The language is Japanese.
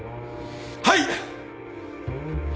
はい！